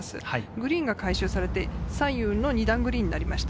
グリーンが改修されて左右の２段グリーンになりました。